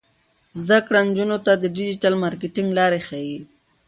زده کړه نجونو ته د ډیجیټل مارکیټینګ لارې ښيي.